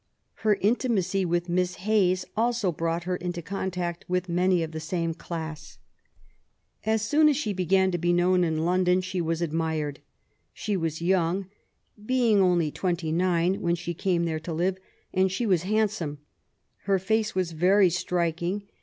Her intimacy with Miss Hayes also brought her into contact with many of the same class. As soon as she began to be known in London she was admired. She was young — ^being only twenty nine when she came there to live — and she was hand some. Her face was very striking.